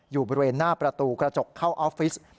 อยู่บริเวณหน้าประตูกระจกเข้าออฟฟิศ